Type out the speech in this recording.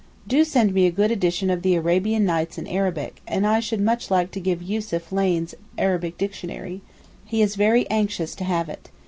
Do send me a good edition of the 'Arabian Nights' in Arabic, and I should much like to give Yussuf Lane's Arabic dictionary. He is very anxious to have it.